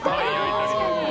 確かに！